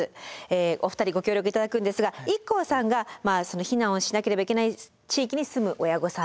お二人ご協力頂くんですがＩＫＫＯさんが避難をしなければいけない地域に住む親御さん。